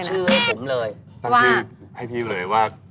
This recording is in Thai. ต้องชื่อให้พี่เหลยว่า